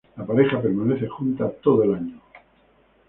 La pareja permanece junta todo el año.